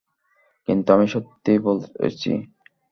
কিন্তু আমি সত্যি বলেছি।